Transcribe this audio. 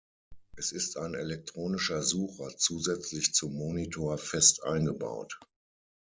Es ist ein elektronischer Sucher zusätzlich zum Monitor fest eingebaut.